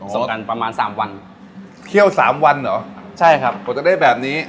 ส่งกันประมาณสามวันเที่ยวสามวันเหรอใช่ครับกว่าจะได้แบบนี้